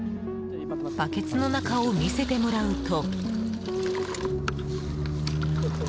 バケツの中を見せてもらうと。